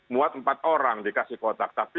muat empat orang dikasih kotak tapi